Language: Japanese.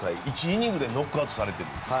１イニングでノックアウトされているんです。